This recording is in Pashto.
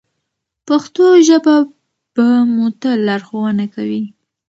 پښتو ژبه به مو تل لارښوونه کوي.